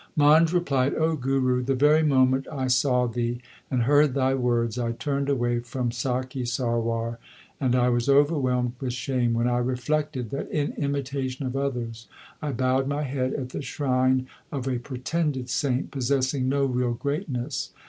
Man] replied : O Guru, the very moment I saw thee and heard thy words I turned away from Sakhi Sarwar, and I was overwhelmed with shame when I reflected that in imitation of others I bowed my head at the shrine of a pretended saint possessing no real greatness.